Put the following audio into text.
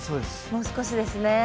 もう少しですね。